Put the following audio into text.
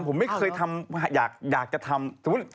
ผมไม่เคยทำอย่างนั้น